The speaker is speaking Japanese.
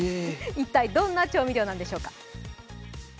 一体どんな調味料なんでしょうか。